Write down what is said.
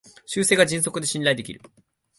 修正が迅速で信頼できる